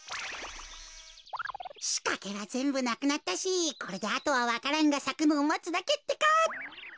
しかけはぜんぶなくなったしこれであとはわか蘭がさくのをまつだけってか。